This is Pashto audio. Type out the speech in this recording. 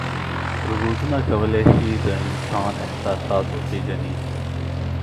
روبوټونه کولی شي د انسان احساسات وپېژني.